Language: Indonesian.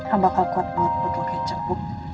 el bakal kuat buat botol kecap bu